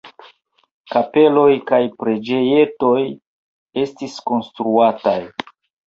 Kapeloj kaj preĝejetoj estis konstruataj.